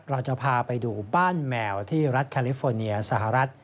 เราจะพาไปดูบ้านแมวที่รัฐแคลิฟอร์เนียสหรัฐ